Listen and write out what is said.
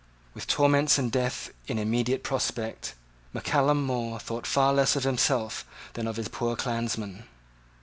With torments and death in immediate prospect Mac Callum More thought far less of himself than of his poor clansmen.